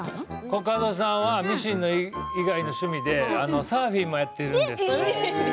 コカドさんはミシン以外の趣味でサーフィンもやっているの。